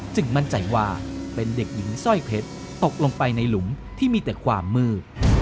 มั่นใจว่าเป็นเด็กหญิงสร้อยเพชรตกลงไปในหลุมที่มีแต่ความมืด